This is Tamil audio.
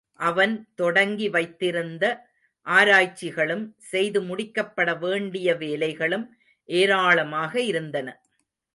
அவன் தொடங்கி வைத்திருந்த ஆராய்ச்சிகளும், செய்து முடிக்கப்பட வேண்டிய வேலைகளும் எராளமாக இருந்தன.